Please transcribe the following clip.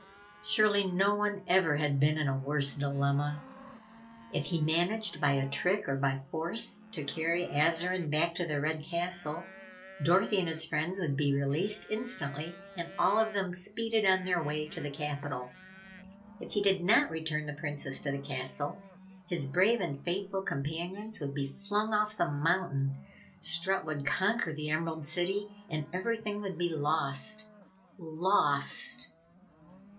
Surely no one ever had been in a worse dilemma. If he managed by a trick or by force to carry Azarine back to the Red Castle, Dorothy and his friends would be released instantly and all of them speeded on their way to the Capitol. If he did not return the Princess to the castle, his brave and faithful companions would be flung off the mountain, Strut would conquer the Emerald City and everything would be lost. LOST!